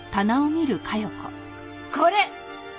これ！